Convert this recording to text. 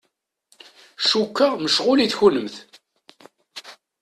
Cukkeɣ mecɣulit kunemt.